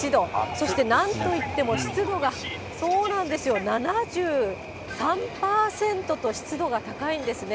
そしてなんといっても湿度が、そうなんですよ、７３％と、湿度が高いんですね。